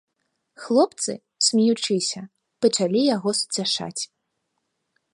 Хлопцы, смеючыся, пачалі яго суцяшаць.